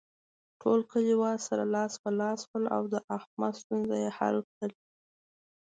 ټول کلیوال سره لاس په لاس شول او د احمد ستونزه یې حل کړله.